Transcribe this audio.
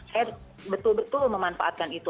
saya betul betul memanfaatkan itu